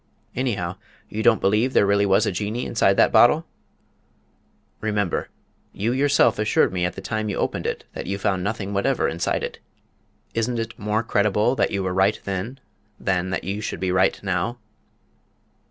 "Anyhow, you don't believe there really was a Jinnee inside that bottle?" "Remember, you yourself assured me at the time you opened it that you found nothing whatever inside it. Isn't it more credible that you were right then than that you should be right now?"